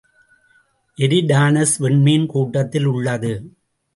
Eridanus விண்மீன் கூட்டத்திலுள்ளது.